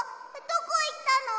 どこいったの？